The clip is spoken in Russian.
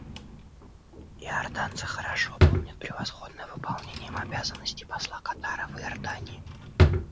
Иорданцы хорошо помнят превосходное выполнение им обязанностей посла Катара в Иордании.